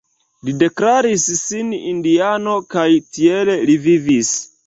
Li deklaris sin indiano kaj tiel li vivis.